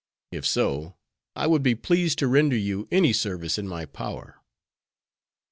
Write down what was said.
If so, I would be pleased to render you any service in my power."